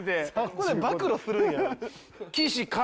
ここで暴露するんや。